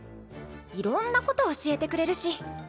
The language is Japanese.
いろんなこと教えてくれるし。